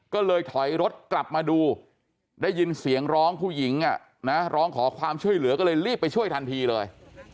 ก็เลยถอยรถกลับมาดูได้ยินเสียงร้องผู้หญิงร้องขอความช่วยเหลือก็เลยรีบไปช่วยทันทีเลย